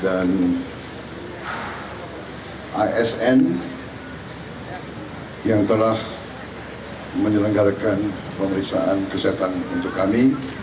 dan isn yang telah menyelenggarakan pemeriksaan kesehatan untuk kami